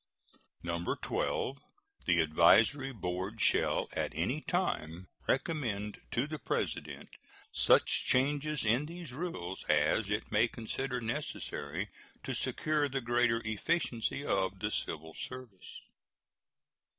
12. The Advisory Board shall at any time recommend to the President such changes in these rules as it may consider necessary to secure the greater efficiency of the civil service.